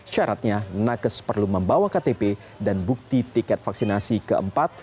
syaratnya nakes perlu membawa ktp dan bukti tiket vaksinasi keempat